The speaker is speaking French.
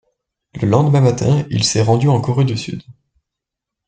Le lendemain matin, il s'est rendu en Corée du Sud.